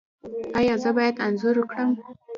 ایا زه باید انځور کړم؟